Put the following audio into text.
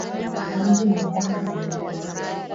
Maji ni muhimu kwa mimea